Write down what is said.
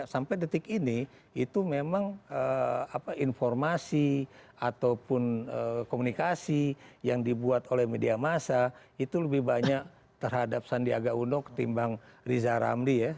sampai detik ini itu memang informasi ataupun komunikasi yang dibuat oleh media masa itu lebih banyak terhadap sandiaga uno ketimbang riza ramli ya